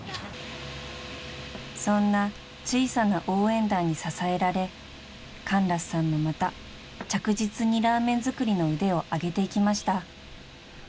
［そんな小さな応援団に支えられカンラスさんもまた着実にラーメン作りの腕を上げていきました］